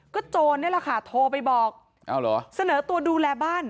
โจรนี่แหละค่ะโทรไปบอกเสนอตัวดูแลบ้าน